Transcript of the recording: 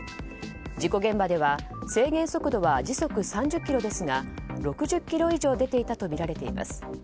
事故現場では制限速度は時速３０キロですが６０キロ以上出ていたとみられています。